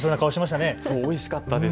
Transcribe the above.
おいしかったです。